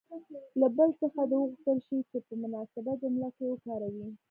له بل څخه دې وغوښتل شي چې په مناسبه جمله کې وکاروي.